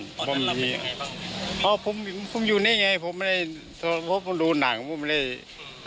นั้นนับเป็นยังไงบ้างอ๋อผมผมอยู่นี่ไงผมไม่ได้พอผมดูหนังผมไม่ได้